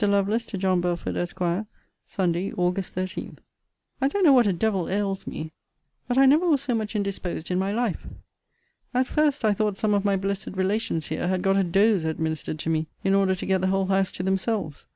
LOVELACE, TO JOHN BELFORD, ESQ. SUNDAY, AUG. 13. I don't know what a devil ails me; but I never was so much indisposed in my life. At first, I thought some of my blessed relations here had got a dose administered to me, in order to get the whole house to themselves.